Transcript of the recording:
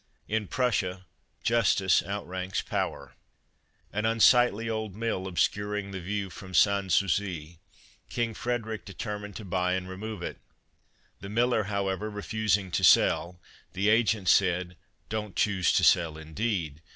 — In Prussia Justice outranks Power : An unsightly old mill obscuring the view from Sans Souci, King Frederic determined to buy and remove it. The miller, however, refusing to sell, the agent said: "Don't choose to sell, indeed!